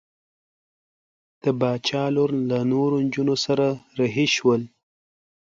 د باچا لور له نورو نجونو سره رهي شول.